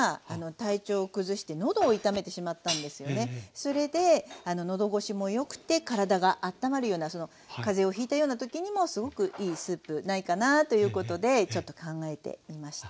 それで喉ごしもよくて体があったまるような風邪をひいたような時にもすごくいいスープないかなということでちょっと考えてみました。